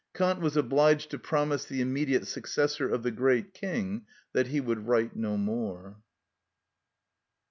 Kant was obliged to promise the immediate successor of the great king that he would write no more.